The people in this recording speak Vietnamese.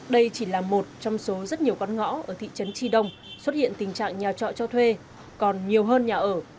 đây chỉ là một trong số rất nhiều con ngõ ở thị trấn tri đông xuất hiện tình trạng nhà trọ cho thuê còn nhiều hơn nhà ở